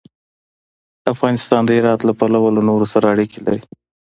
افغانستان د هرات له پلوه له نورو سره اړیکې لري.